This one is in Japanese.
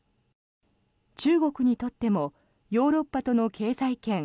中国にとってもヨーロッパとの経済圏